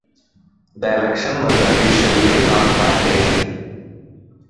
The election was officially nonpartisan.